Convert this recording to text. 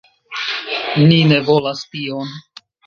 Ni ne volas tion!"